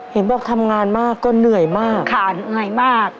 เห็นบอกทำงานมากก็เหนื่อยมากขานเหนื่อยมาก